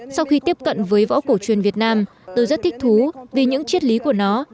sau khi tiếp cận với võ cổ truyền việt nam tôi rất thích thú vì những triết lý của nó